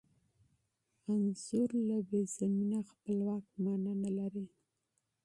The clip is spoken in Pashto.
تصاویر بې له زمینه خپلواک معنا نه لري.